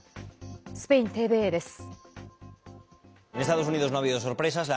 スペインＴＶＥです。